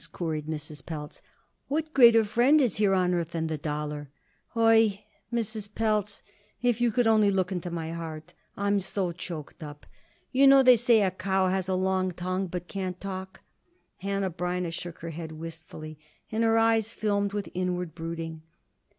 queried Mrs. Pelz. "What greater friend is there on earth than the dollar?" "Oi! Mrs. Pelz; if you could only look into my heart! I'm so choked up! You know they say, a cow has a long tongue, but can't talk." Hanneh Breineh shook her head wistfully, and her eyes filmed with inward brooding.